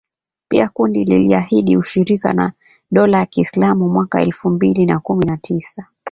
Pia kundi liliahidi ushirika na dola ya kiislamu mwaka wa elfu mbili na kumi na tisa.